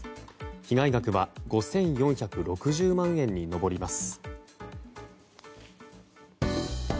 被害額は５４６０万円に上ります。